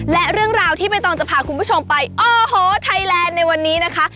และเรื่องราวที่ใบตองจะพาคุณผู้ชมไปโอ้โหไทยแลนด์ในวันนี้นะคะ